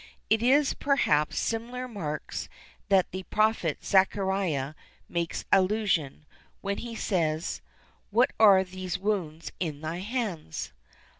[XXXIII 6] It is, perhaps, to similar marks that the prophet Zechariah makes allusion, when he says: "What are these wounds in thine hands?"